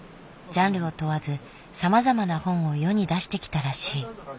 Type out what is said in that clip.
ジャンルを問わずさまざまな本を世に出してきたらしい。